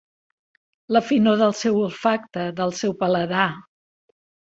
La finor del seu olfacte, del seu paladar.